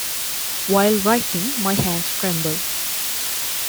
While writing, my hands tremble.